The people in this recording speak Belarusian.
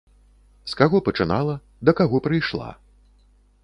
З каго пачынала, да каго прыйшла?